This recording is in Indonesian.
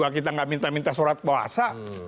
kita nggak minta minta surat puasa